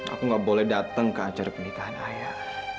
aku nggak boleh datang ke acara pernikahan ayah